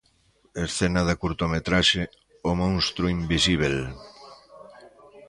Escena da curtametraxe "O monstro invisíbel".